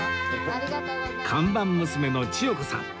看板娘の千代子さん